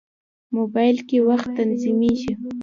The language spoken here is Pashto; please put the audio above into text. موبایل کې وخت تنظیمېږي.